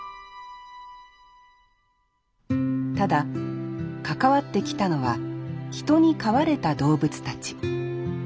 ただ関わってきたのは人に飼われた動物たち。